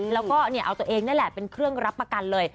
แล้วก็เอาตัวเองนั่นแหละเป็นเครื่องรับประกันเลย